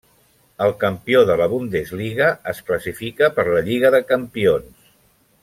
El campió de la Bundesliga es classifica per la Lliga de Campions.